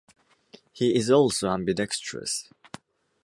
He is also ambidextrous.